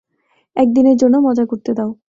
একদিনের জন্য মজা করতে দাও।